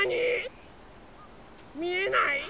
みえない？